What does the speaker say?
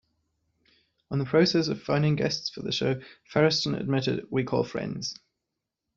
On the process of finding guests for the show, Feresten admitted: We call friends.